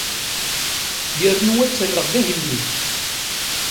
Yernu ad t-rreɣ d agellid.